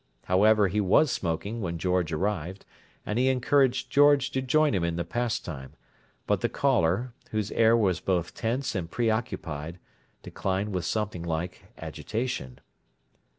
However, he was smoking when George arrived, and he encouraged George to join him in the pastime, but the caller, whose air was both tense and preoccupied, declined with something like agitation.